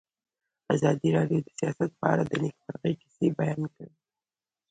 ازادي راډیو د سیاست په اړه د نېکمرغۍ کیسې بیان کړې.